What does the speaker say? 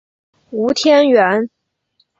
吴天垣。